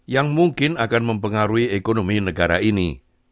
yang mungkin akan mempengaruhi ekonomi di seluruh dunia